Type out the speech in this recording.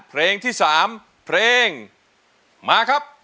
เพลงที่๓เพลงมาครับ